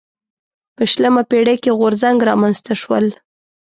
په شلمه پېړۍ کې غورځنګ رامنځته شول.